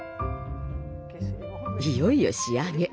いよいよ仕上げ。